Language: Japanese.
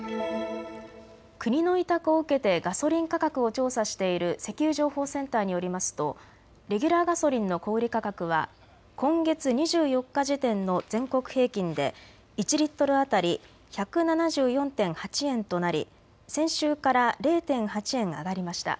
国の委託を受けてガソリン価格を調査している石油情報センターによりますとレギュラーガソリンの小売価格は今月２４日時点の全国平均で１リットル当たり１７４．８円となり先週から０．８円上がりました。